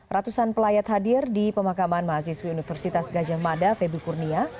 ratusan pelayat hadir di pemakaman mahasiswi universitas gajah mada febi kurnia